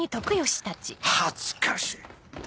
恥ずかしい。